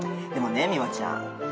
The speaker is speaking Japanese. でもね美和ちゃん。